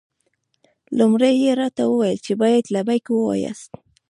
لومړی یې راته وویل چې باید لبیک ووایاست.